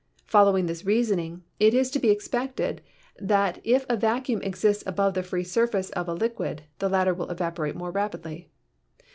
Following this reasoning, it is to be expected that if a vacuum exists above the free surface of a liquid the latter will evaporate more rapidly.